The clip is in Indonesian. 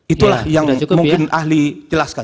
itulah yang mungkin ahli jelaskan